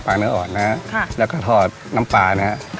ปลาเนื้ออ่อนนะฮะค่ะแล้วก็ทอดน้ำปลานี้นะฮะค่ะ